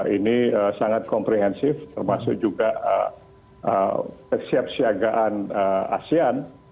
ini sangat komprehensif termasuk juga siap siagaan asean